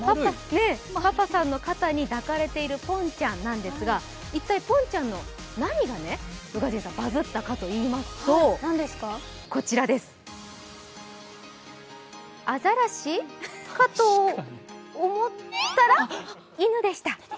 パパさんの肩に抱かれているぽんちゃんなんですが、一体、ぽんちゃんの何がバズったかといいますとアザラシかと思ったら犬でした。